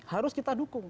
harus kita dukung